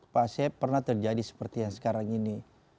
pasti pernah terjadi seperti yang sekarang ini